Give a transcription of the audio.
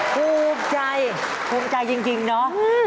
ภูมิใจภูมิใจจริงเนาะ